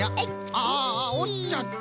あおっちゃった。